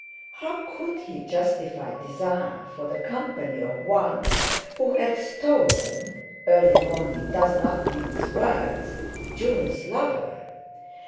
How could he justify desire for the company of one who had stolen—early morning does not mince words—June's lover?